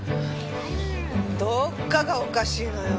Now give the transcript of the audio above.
どっかがおかしいのよ。